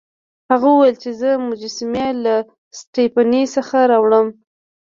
هغه وویل چې زه مجسمې له سټپني څخه راوړم.